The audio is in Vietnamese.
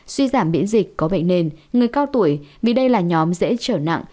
suy giảm miễn dịch có bệnh nền người cao tuổi vì đây là nhóm dễ trở nặng